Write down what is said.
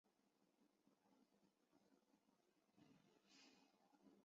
英国二千坚尼锦标是一场只限三岁雄马参赛的平地国际一级赛事。